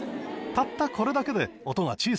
たったこれだけで音が小さくなりました。